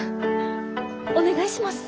お願いします！